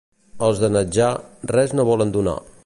Els de Natjà, res no volen donar.